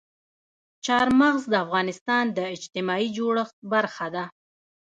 چار مغز د افغانستان د اجتماعي جوړښت برخه ده.